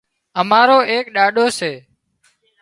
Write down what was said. امارو ايڪ ڏاڏو سي